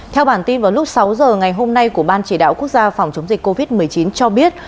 theo bản tin vào lúc sáu giờ ngày hôm nay của ban chỉ đạo quốc gia phòng chống dịch covid một mươi chín cho biết